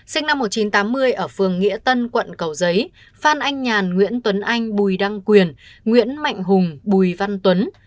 sinh năm một nghìn chín trăm tám mươi ở phường nghĩa tân quận cầu giấy phan anh nhàn nguyễn tuấn anh bùi đăng quyền nguyễn mạnh hùng bùi văn tuấn